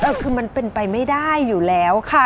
เออคือมันเป็นไปไม่ได้อยู่แล้วค่ะ